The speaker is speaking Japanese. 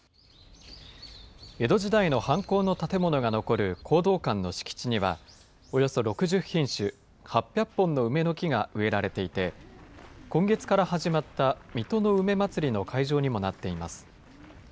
江戸時代の藩校の建物が残る弘道館の敷地には、およそ６０品種、８００本の梅の木が植えられていて、今月から始まった水戸の梅まつりの会場にもなっています。